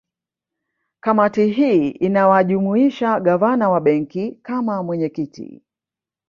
Kamati hii inawajumuisha Gavana wa Benki kama mwenyekiti